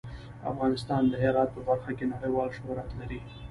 افغانستان د هرات په برخه کې نړیوال شهرت لري.